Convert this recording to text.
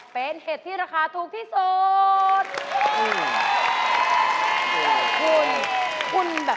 เป็นเห็ดที่ราคาถูกที่สุด